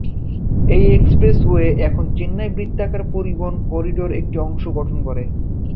এই এক্সপ্রেসওয়ে এখন চেন্নাই বৃত্তাকার পরিবহন করিডোরের একটি অংশ গঠন করে।